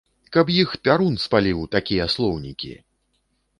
Каб іх пярун спаліў, такія слоўнікі!